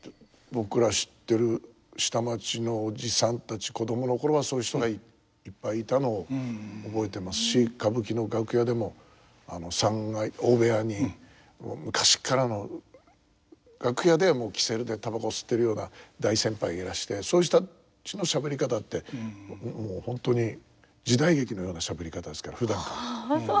僕ら知ってる下町のおじさんたち子供の頃はそういう人がいっぱいいたのを覚えてますし歌舞伎の楽屋でも三階大部屋にもう昔っからの楽屋では煙管でたばこ吸ってるような大先輩がいらしてそういう人たちのしゃべり方ってもう本当に時代劇のようなしゃべり方ですからふだんから。